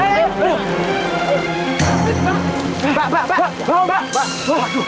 ayah aku tak bisa lagi